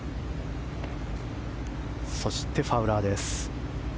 そしてファウラーです。